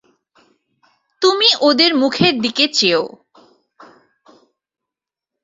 তুমি ওদের মুখের দিকে চেয়ো।